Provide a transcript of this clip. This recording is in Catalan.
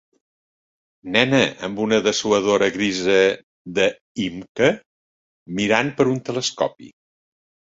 Nena amb una dessuadora grisa de YMCA mirant per un telescopi.